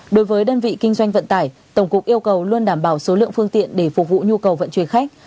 đối với đơn vị kinh doanh vận tải tổng cục yêu cầu luôn đảm bảo số lượng phương tiện để phục vụ nhu cầu vận chuyển khách